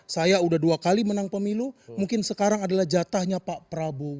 saya udah dua kali menang pemilu mungkin sekarang adalah jatahnya pak prabowo